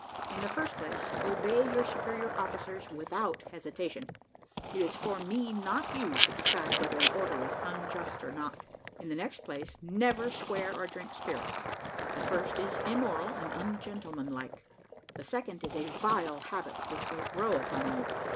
In the first place, obey your superior officers without hesitation; it is for me, not you, to decide whether an order is unjust or not. In the next place, never swear or drink spirits. The first is immoral and ungentleman like, the second is a vile habit which will grow upon you.